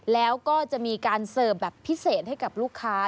แล้วก็จะมีการเสิร์ฟแบบพิเศษให้กับลูกค้า